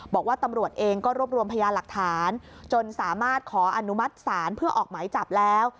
บอกว่าตำรวจเองก็รวบรวมพยาหลักฐานจนสามารถขออนุมัติศาลเพื่อออกหมายจับแล้ว